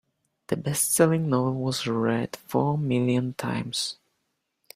The bestselling novel was read four million times.